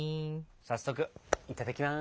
早速いただきます。